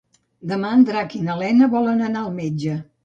Demà en Drac i na Lena volen anar al metge.